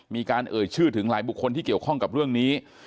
เอ่ยชื่อถึงหลายบุคคลที่เกี่ยวข้องกับเรื่องนี้